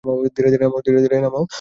ধীরে ধীরে নামাও।